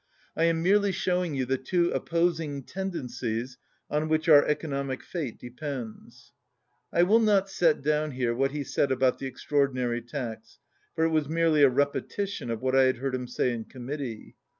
I am merely showing you the two op posing tendencies on which our economic fate de pends." I will not set down here what he said about the Extraordinary Tax, for it was merely a repetition of what I had heard him say in committee.